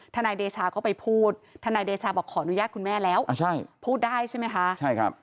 นายเดชาก็ไปพูดทนายเดชาบอกขออนุญาตคุณแม่แล้วพูดได้ใช่ไหมคะใช่ครับ